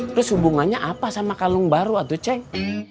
terus hubungannya apa sama kalung baru atau ceng